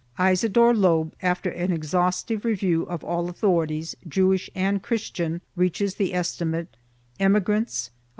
4 Isidore Loeb, after an exhaustive review of all authorities, Jewish and Christian, reaches the estimate5 — Emigrants, •.